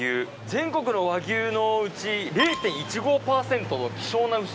全国の和牛のうち０．１５％の希少な牛ですってよ。